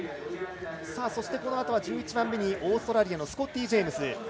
そして、このあとは１１番目にオーストラリアのスコッティ・ジェームズ。